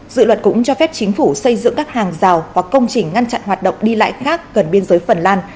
dự luật cũng cho phép chính phủ xây dựng các hàng rào hoặc công trình ngăn chặn hoạt động đi lại khác gần biên giới phần lan